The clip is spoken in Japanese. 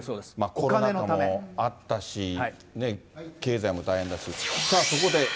コロナ禍もあったし、経済も大変だし。